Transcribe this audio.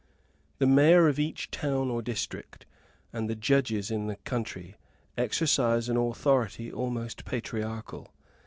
The mayor of each town or district, and the judges in the country, exercise an authority almost patriarchal.